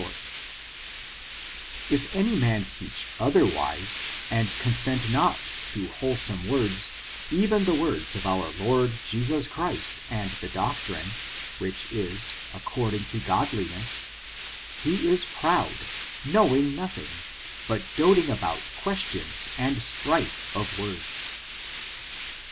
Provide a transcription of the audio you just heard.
,: 803 ORIGIN, CHARACTEA, ANB If any man teach otherwise, and consent not to whole* some words, even the wards of our Lord Jesus Christ and the doctrine, which is according to Godliness, he is proud, knowing nothing, but doting about ques tions and strife of words."